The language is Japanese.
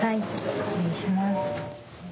失礼します。